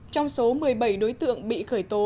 trong số một mươi bảy đối tượng bị khởi tố